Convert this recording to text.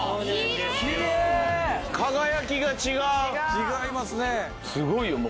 違いますね。